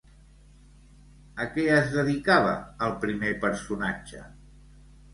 A què es dedicava el primer personatge?